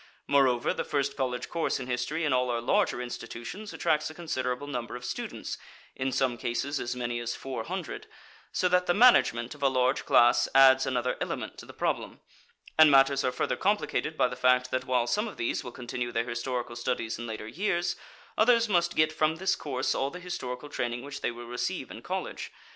Moreover, the first college course in history in all our larger institutions attracts a considerable number of students, in some cases as many as four hundred, so that the management of a large class adds another element to the problem; and matters are further complicated by the fact that while some of these will continue their historical studies in later years, others must get from this course all the historical training which they will receive in college.